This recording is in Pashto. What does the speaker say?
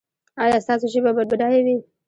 ایا ستاسو ژبه به بډایه وي؟